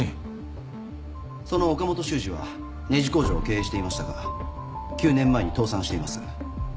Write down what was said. その岡本修二はネジ工場を経営していましたが９年前に倒産しています。